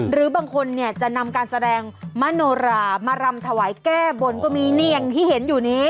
หรือบางคนเนี่ยจะนำการแสดงมโนรามารำถวายแก้บนก็มีนี่อย่างที่เห็นอยู่นี้